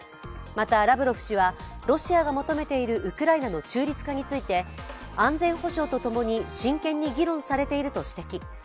またラブロフ氏はロシアが求めているウクライナの中立化について安全保障と共に真剣に議論されていると指摘。